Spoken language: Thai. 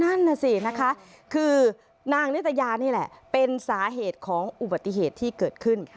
นั่นน่ะสินะคะคือนางนิตยานี่แหละเป็นสาเหตุของอุบัติเหตุที่เกิดขึ้น